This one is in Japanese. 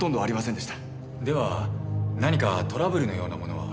では何かトラブルのようなものは？